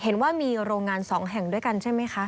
เห็นว่ามีโรงงาน๒แห่งด้วยกันใช่ไหมคะ